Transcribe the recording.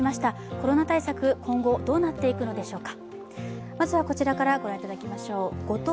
コロナ対策、今後どうなっていくのでしょうか。